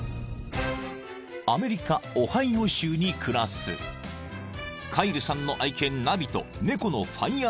［アメリカオハイオ州に暮らすカイルさんの愛犬ナヴィと猫のファイアーボール］